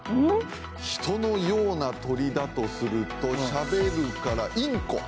人のような鳥だとするとしゃべるからインコ？